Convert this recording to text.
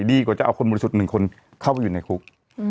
ดีกว่าจะเอาคนบริสุทธิ์หนึ่งคนเข้าไปอยู่ในคุก